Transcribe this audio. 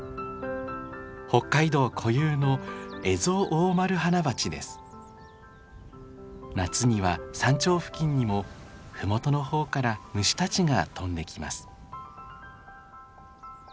北海道固有の夏には山頂付近にも麓の方から虫たちが飛んできます。